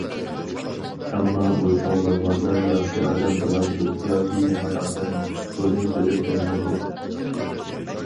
ئەمما ئۇ چوڭ بولغاندا ياخشى ئادەم بولامدۇ ياكى يامان ئادەممۇ؟ بۇنى بىلىپ بولمايدۇ.